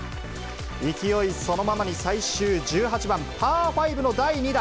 勢いそのままに最終１８番パー５の第２打。